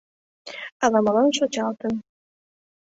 Ала-молан шочалтын...